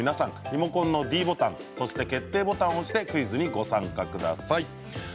リモコンのｄボタン、そして決定ボタンを押してクイズにご参加ください。